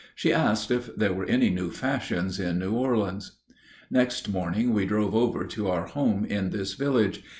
She asked if there were any new fashions in New Orleans. Next morning we drove over to our home in this village.